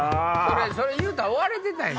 それ言うたら終われてたんや。